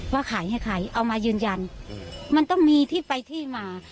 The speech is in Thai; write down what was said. ว่าขายให้ใครเอามายืนยันมันต้องมีที่ไปที่มา